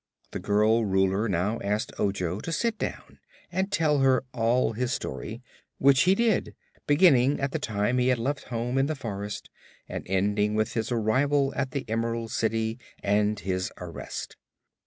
The girl Ruler now asked Ojo to sit down and tell her all his story, which he did, beginning at the time he had left his home in the forest and ending with his arrival at the Emerald City and his arrest.